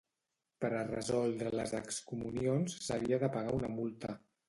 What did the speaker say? Per a resoldre les excomunions s'havia de pagar una multa.